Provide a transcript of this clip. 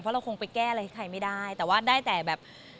เราคงไปแก้อะไรให้ใครไม่ได้แต่ว่าได้แต่แบบ